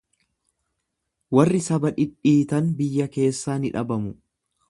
Warri saba dhidhiitan biyya keessaa ni dhabamu.